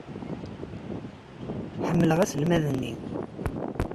Ḥemmleɣ aselmad-nni.